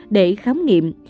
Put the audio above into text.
để khám nghiệm